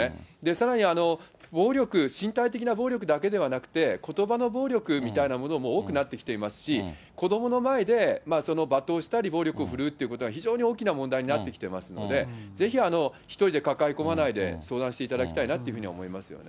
さらに、暴力、身体的な暴力だけではなくて、ことばの暴力みたいなものも多くなってきていますし、子どもの前で罵倒したり暴力を振るうってことは非常に大きな問題になってきていますので、ぜひ一人で抱え込まないで、相談していただきたいなって思いますね。